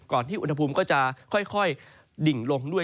ที่อุณหภูมิก็จะค่อยดิ่งลงด้วย